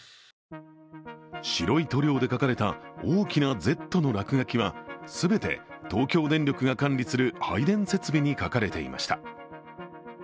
白い塗料で書かれた大きな「Ｚ」の落書きは全て東京電力が管理する配電設備に書かれていました。